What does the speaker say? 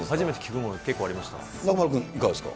中丸君いかがですか。